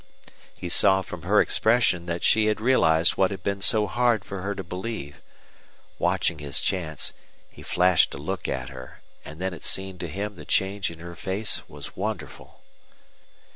He saw from her expression that she had realized what had been so hard for her to believe. Watching his chance, he flashed a look at her; and then it seemed to him the change in her face was wonderful.